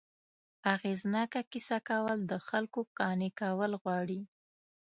اغېزناکه کیسه کول، د خلکو قانع کول غواړي.